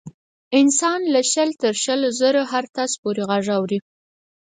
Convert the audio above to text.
انسان له شل تر شل زرو هرتز پورې غږ اوري.